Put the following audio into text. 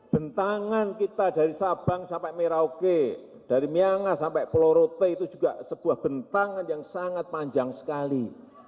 bentangan kita dari sabang sampai merauke dari miangas sampai pulau rote itu juga sebuah bentangan yang sangat panjang sekali